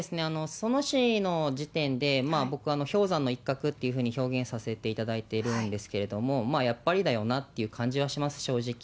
裾野市の時点で、僕、氷山の一角というふうに表現させていただいているんですけれども、やっぱりだよなっていう感じはします、正直。